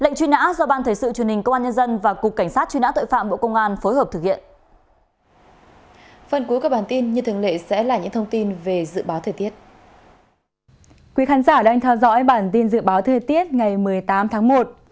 phần cuối của bản tin như thường lệ sẽ là những thông tin về dự báo thời tiết